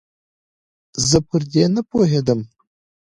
زه پر دې نپوهېدم